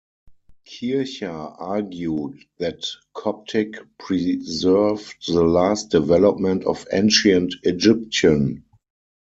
Kircher argued that Coptic preserved the last development of ancient Egyptian.